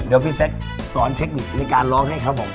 เดี๋ยวพี่แซคสอนเทคนิคในการร้องให้ครับผม